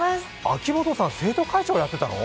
秋元さん、生徒会長やってたの？